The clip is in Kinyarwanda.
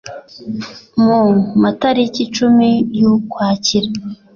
mu matariki icumi y'ukwakira